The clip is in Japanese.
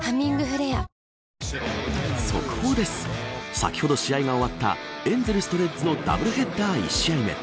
先ほど試合が終わったエンゼルスとレッズとのダブルヘッダー１試合目。